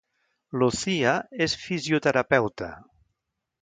Lucía és fisioterapeuta